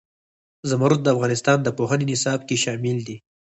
زمرد د افغانستان د پوهنې نصاب کې شامل دي.